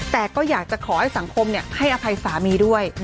แต่ก็อยากจะขอให้สังคมให้อภัยสามีด้วย